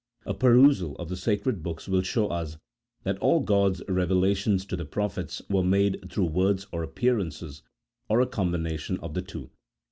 A perusal of the sacred books will show us that all God's revelations to the prophets were made through words or appearances, or a combination of the two.